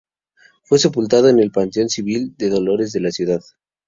Fue sepultado en el Panteón Civil de Dolores de la ciudad.